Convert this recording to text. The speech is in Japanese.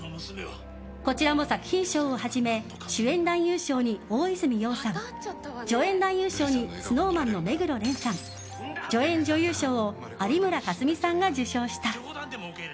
こちらも作品賞をはじめ主演男優賞に大泉洋さん助演男優賞にＳｎｏｗＭａｎの目黒蓮さん助演女優賞を有村架純さんが受賞した。